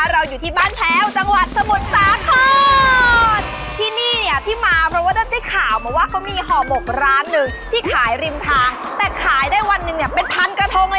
เราอยู่ที่บ้านแชวจังหวัดสมุทรสาคน